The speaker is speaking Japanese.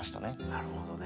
なるほどね。